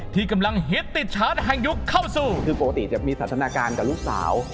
ที่ประวัติจะมีสัตว์ธนาการกับลูกสาว